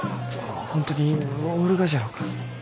本当におるがじゃろうか？